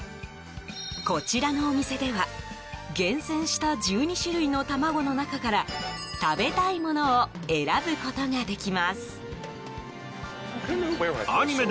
こちらのお店では厳選した１２種類の卵の中から食べたいものを選ぶことができます。